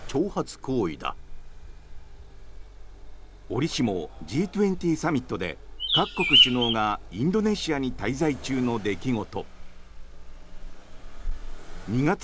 おりしもＧ２０サミットで各国首脳がインドネシアに滞在中の出来事。